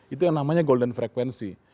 itu yang namanya golden frekuensi